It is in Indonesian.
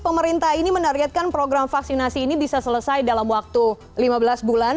pemerintah ini menargetkan program vaksinasi ini bisa selesai dalam waktu lima belas bulan